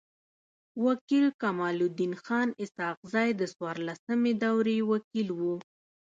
و کيل کمال الدین خان اسحق زی د څوارلسمي دوری وکيل وو.